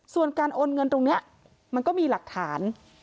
ส่วนการโอนเงินตรงนี้มันก็มีหลักฐาน